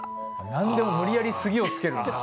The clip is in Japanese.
なんでも無理やり「すぎ」をつけるんだ。